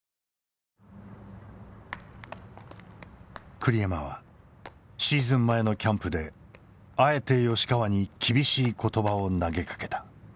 栗山はシーズン前のキャンプであえて吉川に厳しい言葉を投げかけた。